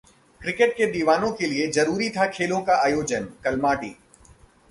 cricket के दीवानों के लिये जरूरी था खेलों का आयोजन: कलमाडी